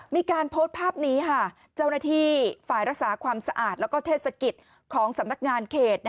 มีการโพสต์ภาพนี้ค่ะเจ้าหน้าที่ฝ่ายรักษาความสะอาดแล้วก็เทศกิจของสำนักงานเขต